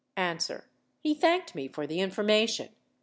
He thanked me for the information.